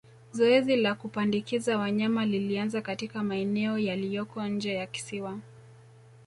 Zoezi la kupandikiza wanyama lilianza katika maeneo yaliyoko nje ya kisiwa